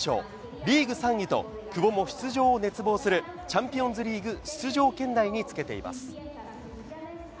リーグ３位と、久保も出場を熱望するチャンピオンズリーグ出場圏内につけています。